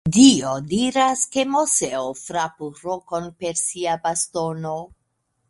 Dio diras, ke Moseo frapu rokon per sia bastono.